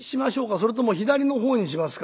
それとも左の方にしますか？」。